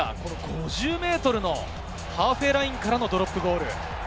５０ｍのハーフウェイラインからのドロップゴール。